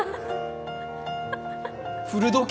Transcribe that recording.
古時計。